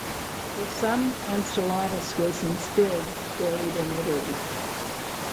For some Enceladus was instead buried in Italy.